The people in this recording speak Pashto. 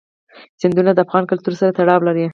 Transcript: سیندونه د افغان کلتور سره تړاو لري.